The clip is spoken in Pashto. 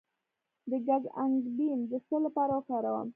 د ګز انګبین د څه لپاره وکاروم؟